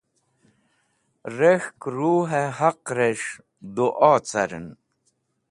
rẽkhk ruh haq'resh duo caren